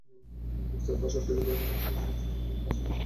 Bookshelf, বসার ঘরের table, শোকেসে ছড়িয়ে আছে মোশাররফ করিমের দৃশ্যমান অর্জন।